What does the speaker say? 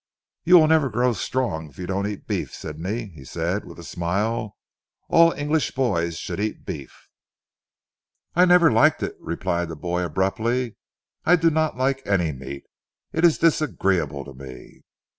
"You will never grow strong if you don't eat beef, Sidney," he said with a smile, "all English boys should eat beef." "I never liked it," replied the boy abruptly. "I do not like any meat; it is disagreeable to me."